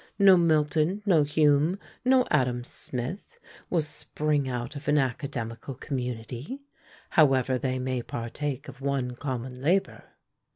No Milton, no Hume, no Adam Smith, will spring out of an academical community, however they may partake of one common labour.